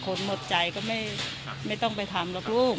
หมดใจก็ไม่ต้องไปทำหรอกลูก